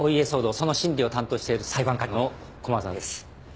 その審理を担当している裁判官の駒沢です。